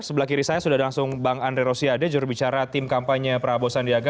sebelah kiri saya sudah langsung bang andre rosiade jurubicara tim kampanye prabowo sandiaga